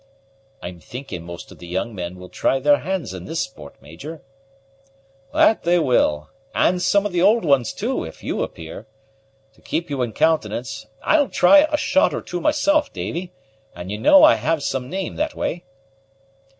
"I'm thinking most of the young men will try their hands in this sport, Major!" "That will they, and some of the old ones too, if you appear. To keep you in countenance, I'll try a shot or two myself, Davy; and you know I have some name that way."